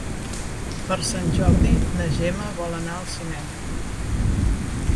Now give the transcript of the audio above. Per Sant Jordi na Gemma vol anar al cinema.